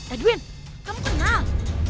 edwin kamu kenal